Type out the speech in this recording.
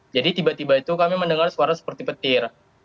jadi tiba tiba itu kami mendengar suara seperti petir